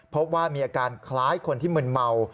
พบว่ามีอาการคล้ายคนที่มึนเมา